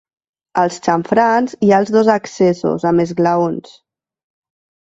Als xamfrans hi ha els dos accessos, amb esglaons.